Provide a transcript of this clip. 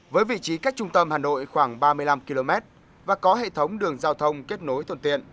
với vị trí cách trung tâm hà nội khoảng ba mươi năm km và có hệ thống đường giao thông kết nối thuận tiện